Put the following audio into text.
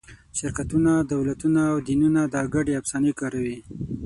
شرکتونه، دولتونه او دینونه دا ګډې افسانې کاروي.